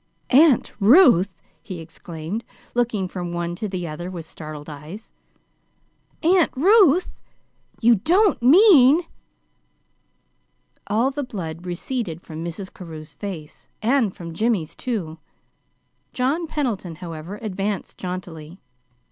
"AUNT RUTH!" he exclaimed, looking from one to the other with startled eyes. "AUNT RUTH! You don't mean " All the blood receded from Mrs. Carew's face, and from Jimmy's, too. John Pendleton, however, advanced jauntily.